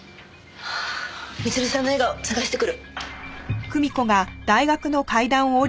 光留さんの笑顔探してくる。